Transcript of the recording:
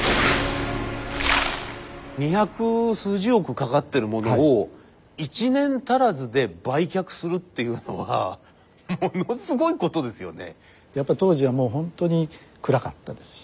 二百数十億かかってるものを１年足らずで売却するっていうのはものすごいことですよね。